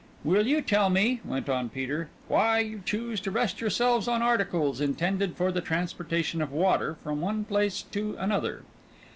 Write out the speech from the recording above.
"Will you tell me," went on Peter, "why you choose to rest yourselves on articles, intended for the transportation of water from one place to another?"